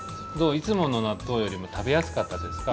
いつものなっとうよりもたべやすかったですか？